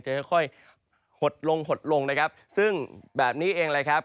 ค่อยค่อยหดลงหดลงนะครับซึ่งแบบนี้เองเลยครับ